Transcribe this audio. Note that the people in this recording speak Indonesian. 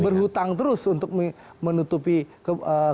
pemerintah berhutang terus untuk menutupi kekurangan apbn kita